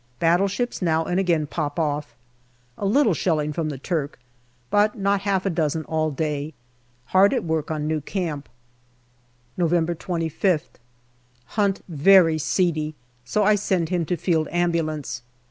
Battleships now ancj again pop off. A little shelling from the Turk, but not half a dozen all day. Hard at work on new camp. November 25th. Hunt very seedy, so I send him to Field Ambulance.